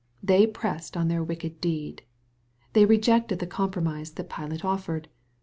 They pressed on their wicked deed. They rejected the compromise that Pilate offered.